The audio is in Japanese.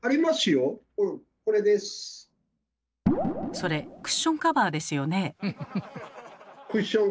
それクッションカバーですよね？